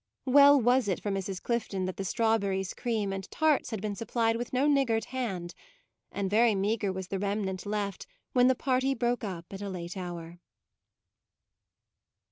Well was it for Mrs. Clifton that the strawberries, cream, and tarts had been supplied with no niggard hand : and very meagre was the remnant left when the party broke up at a late hour.